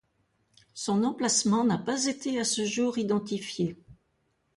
Son emplacement n'a pas été à ce jour identifié.